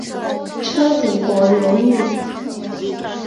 车底国流域。